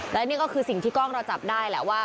และนี่ก็คือสิ่งที่กล้องเราจับได้แหละว่า